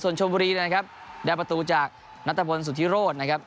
ชมบุรีนะครับได้ประตูจากนัตรพลสุธิโรธนะครับ